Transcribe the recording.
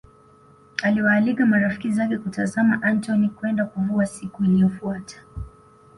Aliwaalika marafiki zake kutazama Antony kwenda kuvua siku iliyofuata